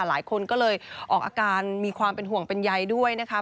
หลายคนก็เลยออกอาการมีความเป็นห่วงเป็นใยด้วยนะคะ